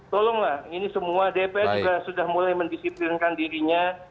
tolonglah ini semua dpr juga sudah mulai mendisiplinkan dirinya